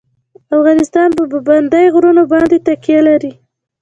افغانستان په پابندی غرونه باندې تکیه لري.